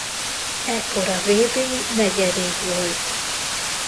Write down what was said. Ekkor a vb-n negyedik volt.